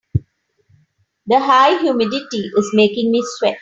The high humidity is making me sweat.